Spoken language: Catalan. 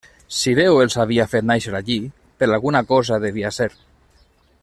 Si Déu els havia fet nàixer allí, per alguna cosa devia ser.